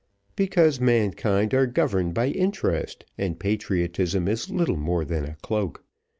"Because mankind are governed by interest, and patriotism is little more than a cloak.